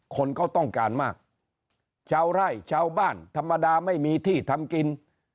คนก็ต้องการมากชาวไร่ชาวบ้านธรรมดาไม่มีที่ทำกิน